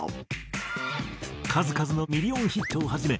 数々のミリオンヒットを始め